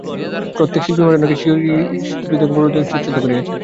প্রত্যেক শিল্পী ম্যাডোনাকে স্বীয় হৃদয়গত পূর্বধারণানুযায়ী চিত্রিত করিয়াছেন।